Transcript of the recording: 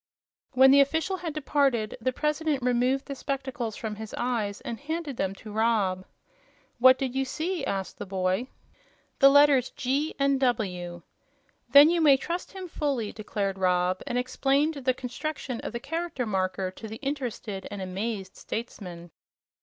When the official had departed, the President removed the spectacles from his eyes and handed them to Rob. "What did you see?" asked the boy. "The letters 'G' and 'W'." "Then you may trust him fully," declared Rob, and explained the construction of the Character Marker to the interested and amazed statesman.